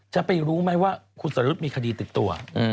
จะไปรู้ไหมว่าคุณสรยุทธ์มีคดีติดตัว